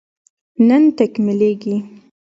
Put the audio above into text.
نن تکميلېږي